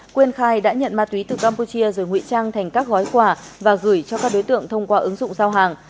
quyên khai đã nhận ma túy từ campuchia rồi nguy trang thành các gói quà và gửi cho các đối tượng thông qua ứng dụng giao hàng